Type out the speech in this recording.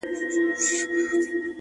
• راته یاده مي کیسه د مولوي سي ,